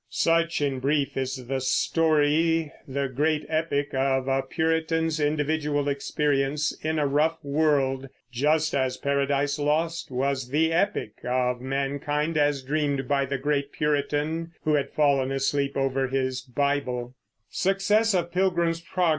Such, in brief, is the story, the great epic of a Puritan's individual experience in a rough world, just as Paradise Lost was the epic of mankind as dreamed by the great Puritan who had "fallen asleep over his Bible."